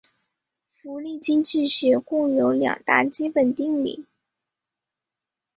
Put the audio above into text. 福利经济学共有两大基本定理。